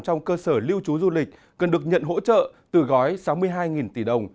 trong cơ sở lưu trú du lịch cần được nhận hỗ trợ từ gói sáu mươi hai tỷ đồng